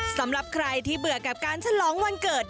สำหรับใครที่เบื่อกับการฉลองวันเกิด